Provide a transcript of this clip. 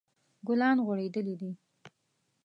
ګلان غوړیدلی دي